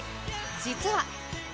実は。